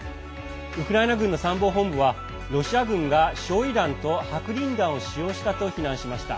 ウクライナ軍の参謀本部はロシア軍が焼い弾と白リン弾を使用したと非難しました。